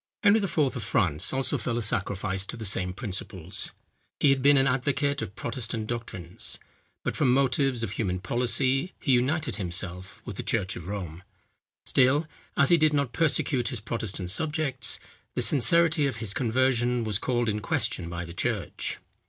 Henry IV. of France also fell a sacrifice to the same principles. He had been an advocate of Protestant doctrines; but from motives of human policy he united himself with the church of Rome. Still, as he did not persecute his Protestant subjects, the sincerity of his conversion was called in question by the church.